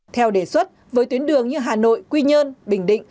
theo đề xuất với tuyến đường như hà nội quy nhơn bình định